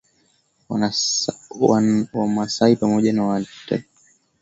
Wamasai pamoja na Wataturu au Wadatooga